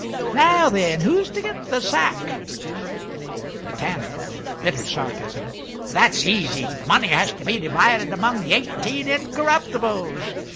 "Now, then, who's to get the sack?" The Tanner (with bitter sarcasm). "That's easy. The money has to be divided among the eighteen Incorruptibles.